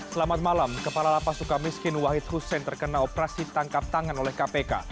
selamat malam kepala lapas suka miskin wahid hussein terkena operasi tangkap tangan oleh kpk